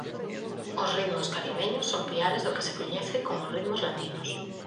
Os "ritmos caribeños" son piares do que se coñece como "ritmos latinos".